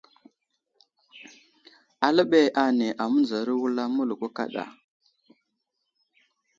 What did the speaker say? Aləɓay ane amənzaro wulam mələko kaɗa.